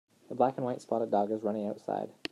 The black and white spotted dog is running outside.